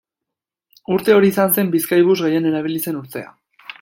Urte hori izan zen Bizkaibus gehien erabili zen urtea.